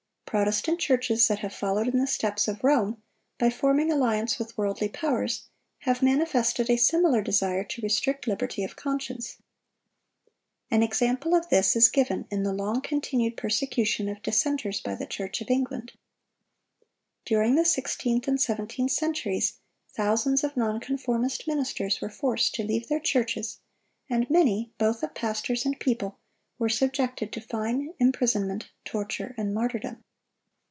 Protestant churches that have followed in the steps of Rome by forming alliance with worldly powers, have manifested a similar desire to restrict liberty of conscience. An example of this is given in the long continued persecution of dissenters by the Church of England. During the sixteenth and seventeenth centuries, thousands of non conformist ministers were forced to leave their churches, and many, both of pastors and people, were subjected to fine, imprisonment, torture, and martyrdom.